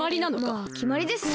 まあきまりですね。